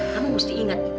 kamu mesti ingat